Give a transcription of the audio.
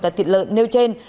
đã thịt lợn nêu trên